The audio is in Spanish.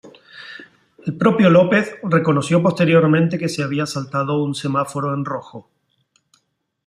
El propio López reconoció posteriormente que se había saltado un semáforo en rojo.